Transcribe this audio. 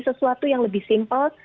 sesuatu yang lebih simple